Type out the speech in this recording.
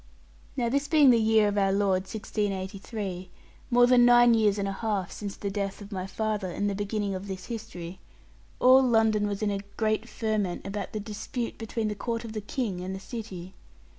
Now this being the year of our Lord 1683, more than nine years and a half since the death of my father, and the beginning of this history, all London was in a great ferment about the dispute between the Court of the King and the City.